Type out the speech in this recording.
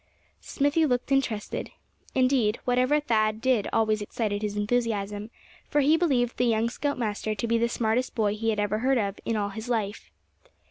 Smithy looked interested. Indeed, whatever Thad did always excited his enthusiasm; for he believed the young scout master to be the smartest boy he had ever heard of in all his life.